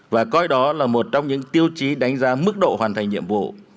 và coi đó là một trong những tiêu chí đánh giá mức độ hoàn thành nhiệm vụ